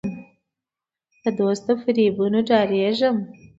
د دوست له فریبونو ډارېږم.